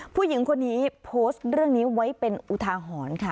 ผู้หญิงคนนี้โพสต์เรื่องนี้ไว้เป็นอุทาหรณ์ค่ะ